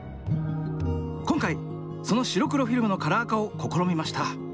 今回その白黒フィルムのカラー化を試みました。